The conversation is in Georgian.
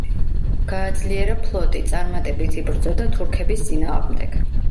გააძლიერა ფლოტი, წარმატებით იბრძოდა თურქების წინააღმდეგ.